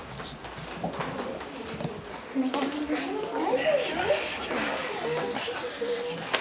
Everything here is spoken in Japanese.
お願いします。